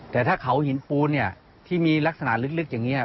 แต่ถ้าเขาหินปูนเนี่ยที่มีลักษณะลึกอย่างนี้